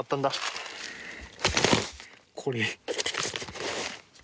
これ。